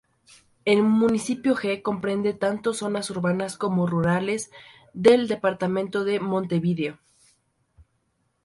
El municipio G comprende tanto zonas urbanas como rurales del departamento de Montevideo.